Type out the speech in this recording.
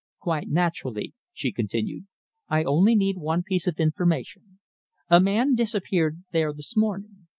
"Quite naturally," she continued. "I only need one piece of information. A man disappeared there this morning.